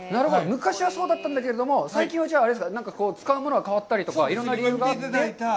昔はそうだったんだけれども、最近は、じゃあ、あれですか、使うものが変わったりとか、いろいろな理由があって？